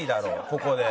ここで。